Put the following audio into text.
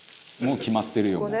「もう決まってるよ」